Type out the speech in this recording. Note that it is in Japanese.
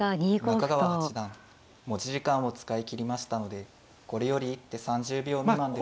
中川八段持ち時間を使いきりましたのでこれより一手３０秒未満で。